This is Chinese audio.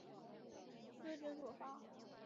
司职左闸。